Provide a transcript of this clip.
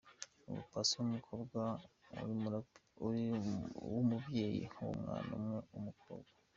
Ubu Paccy ni umukobwa ariko w'umubyeyi w’umwana umwe w’umukobwa.